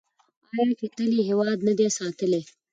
آیا چې تل یې هیواد نه دی ساتلی؟